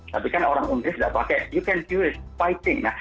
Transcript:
tapi kan orang inggris tidak pakai fighting